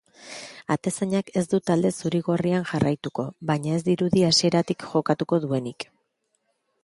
Atezainak ez du talde zuri-gorrian jarraituko, baina ez dirudi hasieratik jokatuko duenik.